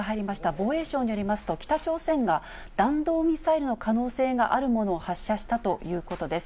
防衛省によりますと、北朝鮮が弾道ミサイルの可能性があるものを発射したということです。